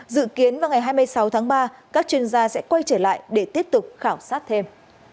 dự kiến vào ngày hai mươi sáu tháng ba các chuyên gia sẽ quay trở lại để tiếp tục khảo sát thêm